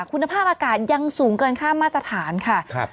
คุณภาพอากาศยังสูงเกินค่ามาตรฐานค่ะ